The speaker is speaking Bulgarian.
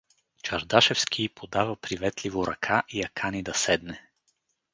Чардашевски й подава приветливо ръка и я кани да седне.